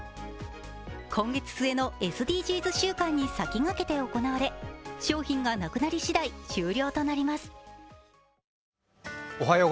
今月末のＳＤＧｓ週間に先駆けて行われ商品がなくなりしだい終了となります。